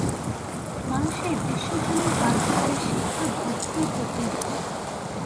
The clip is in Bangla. মানুষের বিশ্বজনীন ভ্রাতৃত্বের শিক্ষা বুদ্ধই প্রথম দেন।